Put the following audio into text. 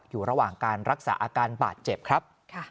อยู่ระหว่างการรักษาอาการบาดเจ็บครับ